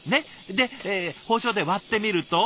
で包丁で割ってみると。